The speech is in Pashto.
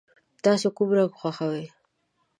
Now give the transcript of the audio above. تاسو کوم رنګ خوښوئ؟